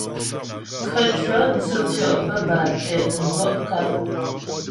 Khətʉɔ̌ dzʉtʉɔ' bə́́ bâ tɛ nə́ dwɔ' kap.